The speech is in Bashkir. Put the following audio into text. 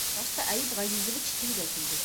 Башта Әйүп Ғәзизович телгә килде: